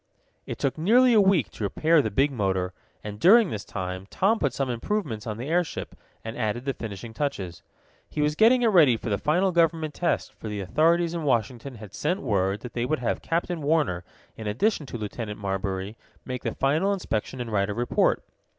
It took nearly a week to repair the big motor, and, during this time, Tom put some improvements on the airship, and added the finishing touches. He was getting it ready for the final government test, for the authorities in Washington had sent word that they would have Captain Warner, in addition to Lieutenant Marbury, make the final inspection and write a report.